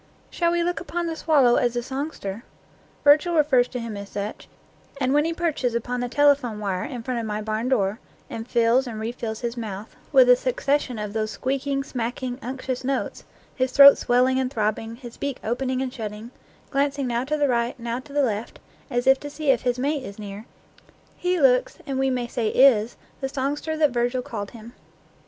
Shall we look upon the swallow as a songster? Virgil refers to him as such, and when he perches upon the telephone wire in front of my barn door and fills and refills his mouth with a succession of NEW GLEANINGS IN OLD FIELDS those squeaking, smacking, unctuous notes, his throat swelling and throbbing, his beak opening and shutting, glancing now to the right, now to the left, as if to see if his mate is near, he looks, and we may say is, the songster that Virgil called him.